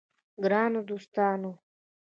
ګرانو دوستانو!